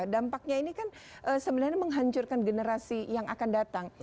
dampaknya ini kan sebenarnya menghancurkan generasi yang akan datang